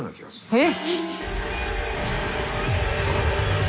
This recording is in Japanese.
えっ！？